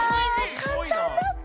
かんたんだった？